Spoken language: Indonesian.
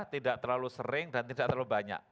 tidak terlalu sering dan tidak terlalu banyak